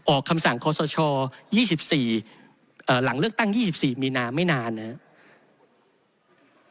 คำสั่งคอสช๒๔หลังเลือกตั้ง๒๔มีนาไม่นานนะครับ